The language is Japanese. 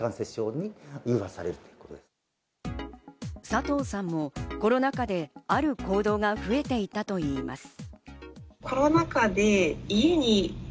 佐藤さんもコロナ禍で、ある行動が増えていたといいます。